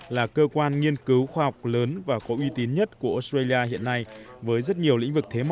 là cơ quan nghiên cứu khoa học lớn và có uy tín nhất của australia hiện nay với rất nhiều lĩnh vực thế mạnh